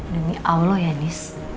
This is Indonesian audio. demi allah ya nis